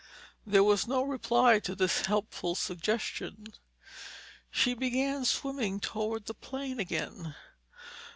There was no reply to this helpful suggestion. She began swimming toward the plane again.